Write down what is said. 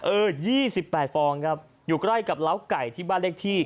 ๒๘ฟองครับอยู่ใกล้กับเล้าไก่ที่บ้านเลขที่